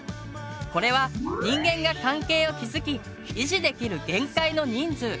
これは人間が関係を築き維持できる限界の人数。